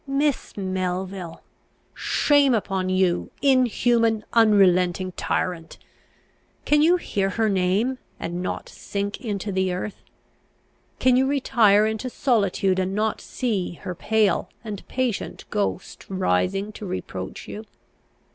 Miss Melville! Shame upon you, inhuman, unrelenting tyrant! Can you hear her name, and not sink into the earth? Can you retire into solitude, and not see her pale and patient ghost rising to reproach you?